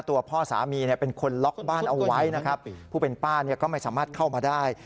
ตัวพ่อสามีเนี่ยเป็นคนล็อกบ้านเอาไว้นะครับผู้เป็นป้าเนี่ยก็ไม่สามารถเข้ามาได้